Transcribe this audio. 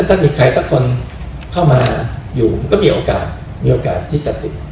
ถ้ามีใครสักคนเข้ามาอยู่ก็มีโอกาสมีโอกาสที่จะติด